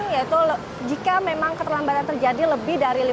yaitu jika memang keterlambatan terjadi lebih dari lima puluh